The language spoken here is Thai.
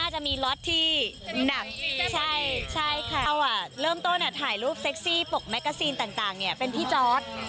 ใช่ค่ะเริ่มต้นถ่ายรูปเซ็กซี่ปลกแมกเกอร์ซีนต่างเป็นพี่จอร์ส